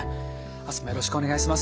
明日もよろしくお願いします。